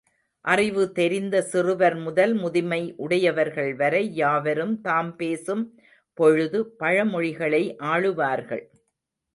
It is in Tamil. அறிவு தெரிந்த சிறுவர் முதல் முதுமை உடையவர்கள் வரை யாவரும் தாம் பேசும் பொழுது பழமொழிகளை ஆளுவார்கள்.